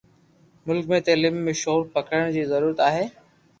ملڪ ۾ تعليمي شعور پکيڙڻ جي ضرورت آهي.